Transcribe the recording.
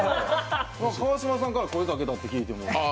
川島さんから声かけたと聞いた。